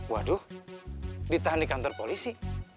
waduh ditahan di kantor polisi